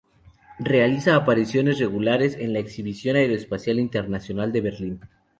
Realiza apariciones regulares en la Exhibición Aeroespacial Internacional de Berlín.